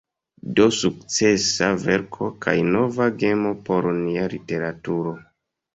Do sukcesa verko, kaj nova gemo por nia literaturo.